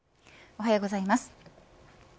おはようございます。